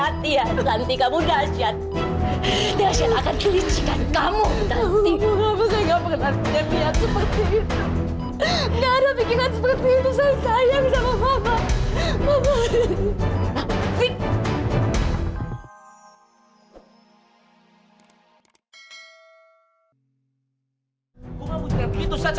ricewan mengiki algumas saudara saudara seperti itto nara pikiran seperti usahaya